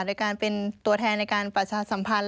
โดยการเป็นตัวแทนในการประชาสัมพันธ์